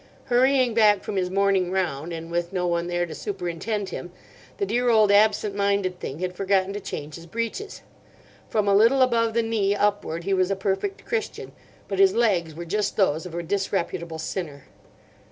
Hurrying back from his morning round, and with no one there to superintend him, the dear old absent minded thing had forgotten to change his breeches. From a little above the knee upward he was a perfect Christian; but his legs were just those of a disreputable sinner.